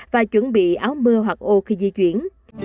và chuẩn bị áo mưa hoặc ô khi di chuyển